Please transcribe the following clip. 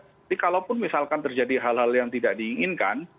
jadi kalaupun misalkan terjadi hal hal yang tidak diinginkan